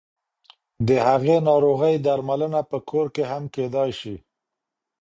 د هغې ناروغۍ درملنه په کور کې هم کېدای شي.